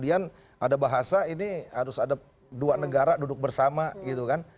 ada bahasa ini harus ada dua negara duduk bersama gitu kan